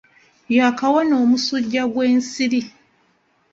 Yaakawona omusujja gw'ensiri.